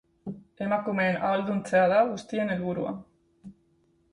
Emakumeen ahalduntzea da guztien helburua.